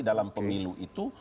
dalam pemilu itu